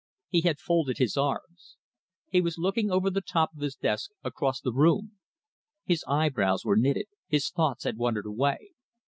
He had folded his arms. He was looking over the top of his desk across the room. His eyebrows were knitted, his thoughts had wandered away.